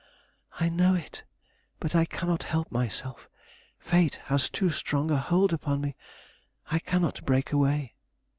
"I know it; but I cannot help myself. Fate has too strong a hold upon me; I cannot break away."